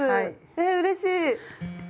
えうれしい！